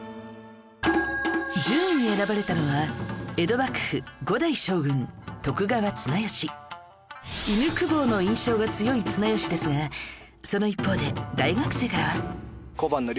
１０位に選ばれたのは江戸幕府５代将軍徳川綱吉犬公方の印象が強い綱吉ですがその一方で大学生からは